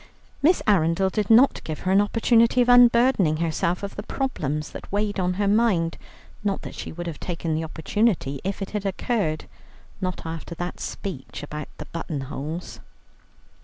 Miss Arundel did not give her an opportunity of unburdening herself of the problem that weighed on her mind, not that she would have taken the opportunity if it had occurred, not after that speech about the buttonholes.